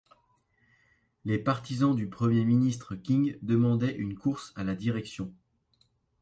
Les partisans du premier ministre King demandaient une course à la direction.